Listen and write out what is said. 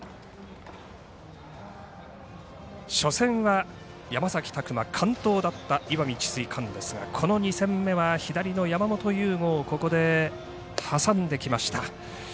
初戦は山本由吾完投だった石見智翠館ですがこの２戦目は左の山本由吾をここで挟んできました。